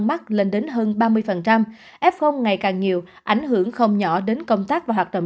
mắc lên đến hơn ba mươi f ngày càng nhiều ảnh hưởng không nhỏ đến công tác và hoạt động